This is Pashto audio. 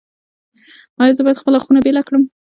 ایا زه باید خپله خونه بیله کړم؟